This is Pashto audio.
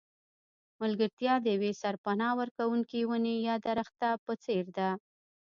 ملګرتیا د یوې سرپناه ورکوونکې ونې یا درخته په څېر ده.